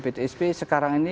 ptsp sekarang ini